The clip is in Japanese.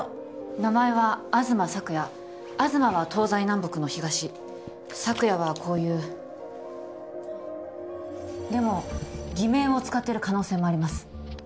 名前は東朔也東は東西南北の東朔也はこういうでも偽名を使ってる可能性もあります